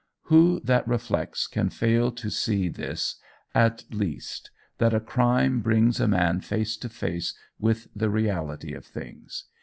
"Who that reflects can fail to see this at least, that a crime brings a man face to face with the reality of things?